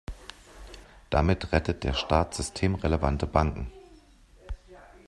Damit rettet der Staat systemrelevante Banken.